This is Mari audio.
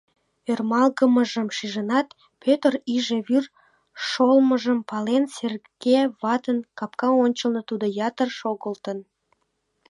Ӧрмалгымыжым шижынат, Пӧтыр иже вӱр шолмыжым пален, Серге ватын капка ончылно тудо ятыр шогылтын.